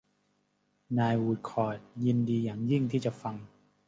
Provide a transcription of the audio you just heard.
นายวูดคอร์ทยินดีอย่างยิ่งที่จะฟัง